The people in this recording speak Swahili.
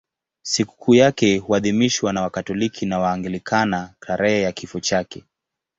Sikukuu yake huadhimishwa na Wakatoliki na Waanglikana tarehe ya kifo chake.